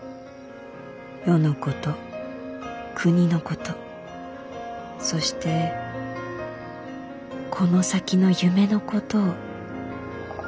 世のこと国のことそしてこの先の夢のことを」。